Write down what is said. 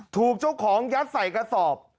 ถูกเจ้าของยัดใส่กระสอบ